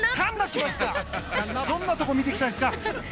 どんなところ見ていきたいですか？